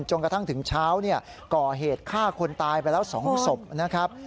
จนกระทั่งถึงเช้าก่อเหตุฆ่าคนตายไปแล้ว๒ศพนะครับ